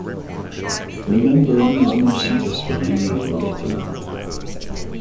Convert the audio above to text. Remembering is more satisfying than forgetting.